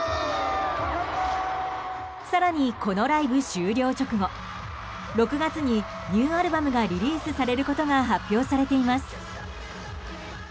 更に、このライブ終了直後６月にニューアルバムがリリースされることが発表されています。